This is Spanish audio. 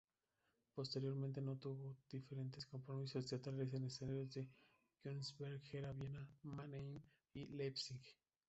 Posteriormente tuvo diferentes compromisos teatrales en escenarios de Königsberg, Gera, Viena, Mannheim y Leipzig.